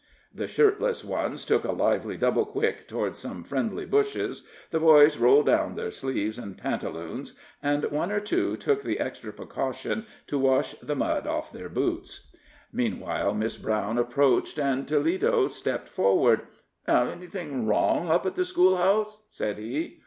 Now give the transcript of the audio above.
The shirtless ones took a lively double quick toward some friendly bushes, the boys rolled down their sleeves and pantaloons, and one or two took the extra precaution to wash the mud off their boots. Meanwhile Miss Brown approached, and Toledo stepped forward. "Anything wrong up at the schoolhouse?" said he.